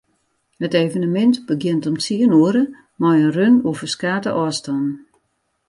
It evenemint begjint om tsien oere mei in run oer ferskate ôfstannen.